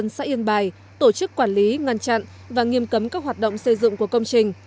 nhân dân sẽ yên bài tổ chức quản lý ngăn chặn và nghiêm cấm các hoạt động xây dựng của công trình